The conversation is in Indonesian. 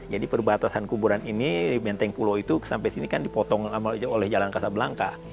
jadi perbatasan kuburan ini benteng pulau itu sampai sini kan dipotong oleh jalan kasablangka